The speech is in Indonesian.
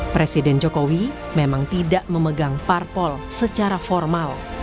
presiden jokowi memang tidak memegang parpol secara formal